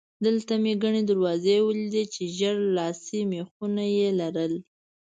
دلته مې ګڼې دروازې ولیدې چې ژېړ لاسي مېخونه یې لرل.